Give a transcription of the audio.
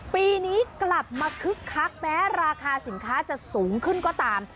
ปีนี้กลับมาคึกคักแม้ราคาสินค้าจะสูงขึ้นก็ตาม